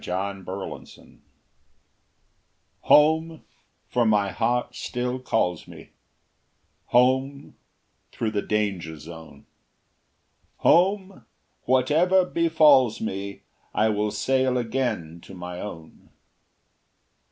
HOMEWARD BOUND Home, for my heart still calls me; Home, through the danger zone; Home, whatever befalls me, I will sail again to my own!